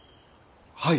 はい！